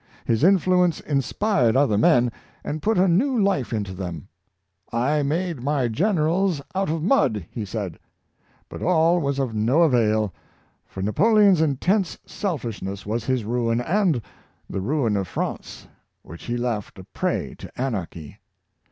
His influence inspired other men, and put a new Hfe into them. " I made my generals out of mud,'^ he said. But all was of no avail; for Napoleon's in tense selfishness was his ruin, and the ruin of France, which he left a prey to anarchy.